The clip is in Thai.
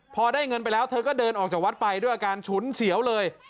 พอได้เงินไปแล้วเธอก็เดินออกจากวัดไปด้วยอาการฉุนเฉียวเลย